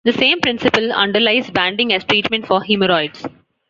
This same principle underlies banding as treatment for hemorrhoids.